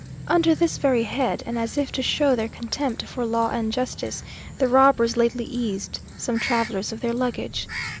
Under this very head, and as if to show their contempt for law and justice, the robbers lately eased some travellers of their luggage.